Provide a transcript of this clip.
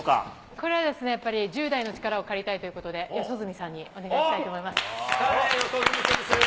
これはやっぱり１０代の力を借りたいということで、四十住さきたね、お願いします。